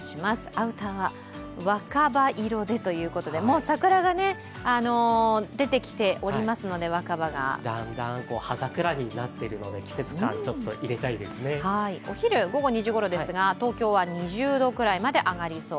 アウター、若葉色でということで、もう桜の若葉が出てきておりますのでだんだん葉桜になっているのでお昼午後２時ごろですが東京は２０度くらいまで上がりそう。